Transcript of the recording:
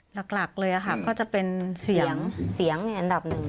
หลักเลยค่ะก็จะเป็นเสียงเสียงอันดับหนึ่ง